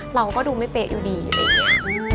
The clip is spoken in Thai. เราก็ดูไม่เป๊ะอยู่ดีอยู่ดีเนี่ย